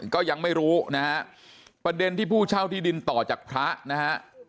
ก็ยังไม่รู้นะฮะประเด็นที่ผู้เช่าที่ดินต่อจากพระนะฮะ